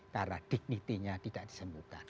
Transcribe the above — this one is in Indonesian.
karena dignity nya tidak disembuhkan